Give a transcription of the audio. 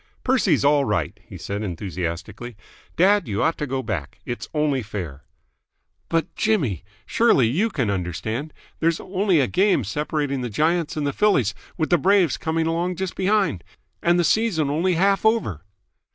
"Percy's all right." he said enthusiastically. "Dad, you ought to go back. It's only fair." "But, Jimmy! Surely you can understand? There's only a game separating the Giants and the Phillies, with the Braves coming along just behind. And the season only half over!"